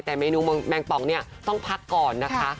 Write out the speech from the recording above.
แต่เมนูแมงปองเนี่ยต้องพักก่อนนะคะ